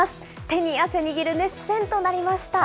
手に汗握る熱戦となりました。